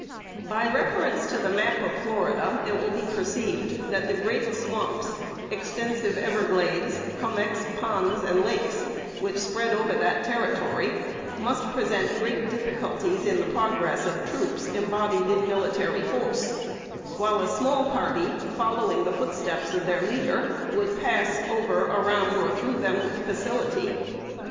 By reference to the map of Florida, it will be perceived that the great swamps, extensive everglades, hommocks, ponds and lakes, which spread over that Territory, must present great difficulties in the progress of troops embodied in military force; while a small party, following the footsteps of their leader, would pass over, around or through them with facility.